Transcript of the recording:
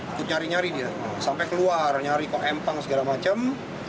ikut nyari nyari dia sampai keluar nyari kok empang segala macam